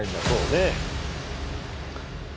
そうね。